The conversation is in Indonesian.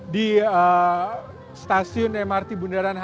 di stasiun mrt bundaran hi